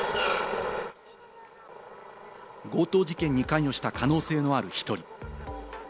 強盗事件に関与した可能性のある１人。